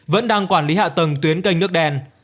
vẫn đang quản lý hạ tầng tuyến kênh nước đen